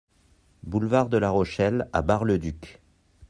Boulevard de la Rochelle à Bar-le-Duc